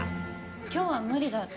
今日は無理だって。